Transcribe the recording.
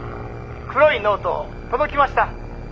黒いノート届きました？